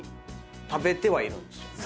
食べてはいるんですよね。